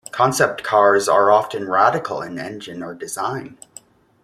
Concept cars are often radical in engine or design.